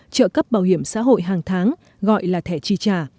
trợ cấp bảo hiểm xã hội hàng tháng gọi là thẻ chi trả